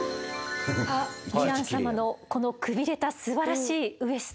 ヴィラン様のこのくびれたすばらしいウエスト。